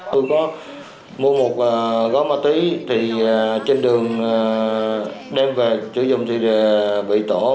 tôi có mua một gói ma túy thì trên đường đem về sử dụng thì bị tổ